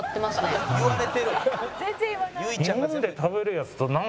「全然言わない」